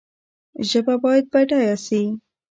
ژبه باید بډایه سي